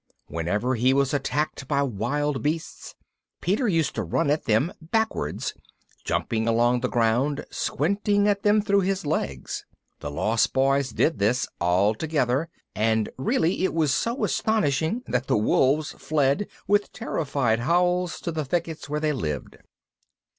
Whenever he was attacked by wild beasts Peter used to run at them backwards, jumping along the ground, squinting at them through his legs. The Lost Boys did this all together, and really, it was so astonishing that the wolves fled with terrified howls to the thickets where they lived.